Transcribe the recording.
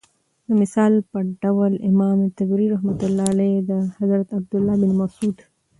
دمثال په ډول امام طبري رحمة الله عليه دحضرت عبدالله بن مسعود